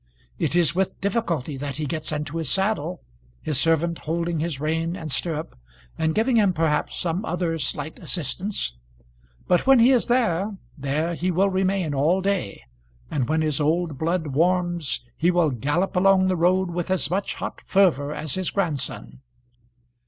It is with difficulty that he gets into his saddle, his servant holding his rein and stirrup and giving him perhaps some other slight assistance; but when he is there, there he will remain all day, and when his old blood warms he will gallop along the road with as much hot fervour as his grandson.